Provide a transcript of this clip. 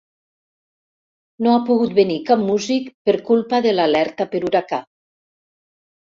No ha pogut venir cap músic per culpa de l'alerta per huracà.